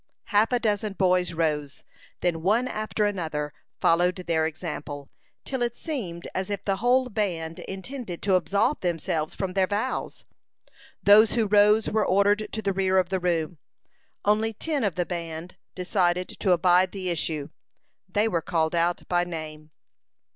Half a dozen boys rose; then one after another followed their example, till it seemed as if the whole band intended to absolve themselves from their vows. Those who rose were ordered to the rear of the room. Only ten of the band decided to abide the issue. They were called out by name.